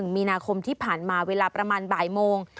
มีนาคมที่ผ่านมาเวลาประมาณบ่ายโมง